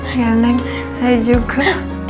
iya neng saya juga